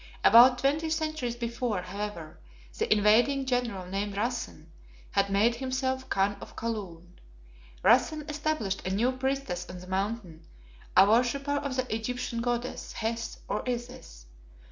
About twenty centuries before, however, the invading general named Rassen, had made himself Khan of Kaloon. Rassen established a new priestess on the Mountain, a worshipper of the Egyptian goddess, Hes, or Isis.